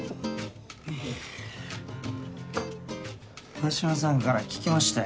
河島さんから聞きましたよ。